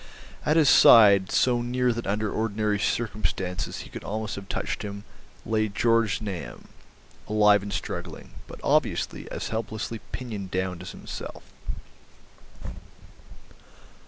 At his side, so near that under ordinary circumstances he could almost have touched him, lay Georg Znaeym, alive and struggling, but obviously as helplessly pinioned down as himself.